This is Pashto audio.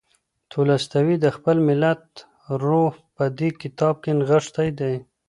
تولستوی د خپل ملت روح په دې کتاب کې نغښتی دی.